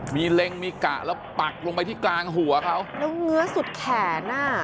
มีเล็งมีกะแล้วปักลงไปที่กลางหัวเขาแล้วเงื้อสุดแขนอ่ะ